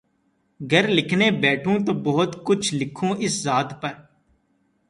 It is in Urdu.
گر لکھنے بیٹھوں تو بہت کچھ لکھوں اس ذات پر